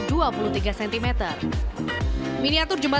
miniatur jembatan ini berada di dalam jembatan